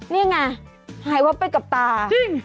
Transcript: นี่ไงหายว่าไปกับตา